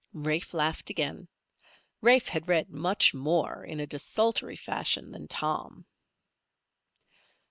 Rafe laughed again. Rafe had read much more in a desultory fashion than Tom.